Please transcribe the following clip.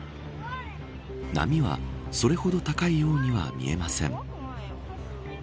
波は、それほど高いようには見えません。